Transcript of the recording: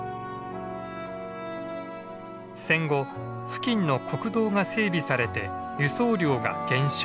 戦後付近の国道が整備されて輸送量が減少。